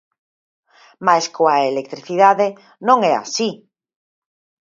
Mais coa electricidade non é así.